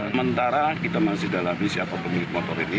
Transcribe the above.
sementara kita masih dalam disiapkan pemilik motor ini